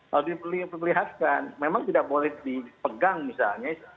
kalau diperlihatkan memang tidak boleh dipegang misalnya